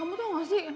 kamu tau gak sih